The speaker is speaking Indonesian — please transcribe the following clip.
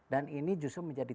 dan ini justru menjadi